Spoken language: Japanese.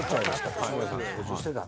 吉村さん、操縦してた。